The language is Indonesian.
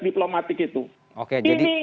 diplomatik itu ini